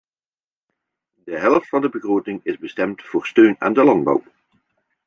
De helft van de begroting is bestemd voor steun aan de landbouw.